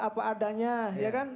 apa adanya ya kan